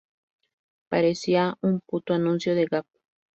Parecía un puto anuncio de Gap.